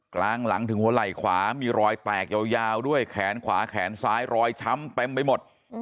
กลางหลังถึงหัวไหล่ขวามีรอยแตกยาวด้วยแขนขวาแขนซ้ายรอยช้ำเต็มไปหมด